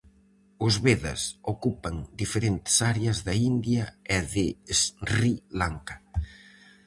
Os vedas ocupan diferentes áreas da India e de Sri Lanka.